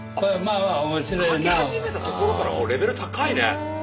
描き始めたところからもうレベル高いね。